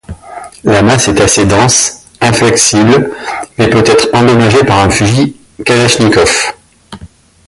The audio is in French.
La masse est assez dense, inflexible, mais peut être endommagée par un fusil Kalachnikov.